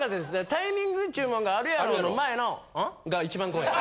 「タイミングっちゅうもんがあるやろ」の前の。